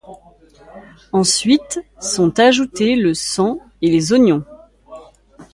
Ensuite sont ajoutés le sang et les oignons.